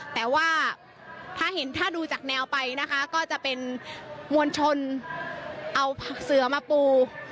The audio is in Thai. แต่ว่าถ้าเห็นถ้าดูจากแนวไปนะคะก็จะเป็นมวลชนเอาเสือมาปู